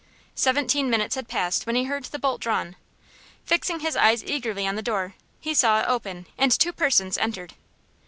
Seventeen minutes had passed when he heard the bolt drawn. Fixing his eyes eagerly on the door he saw it open, and two persons entered.